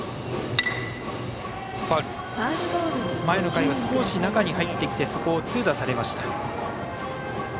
前の回は少し中に入ってきてそこを痛打されました。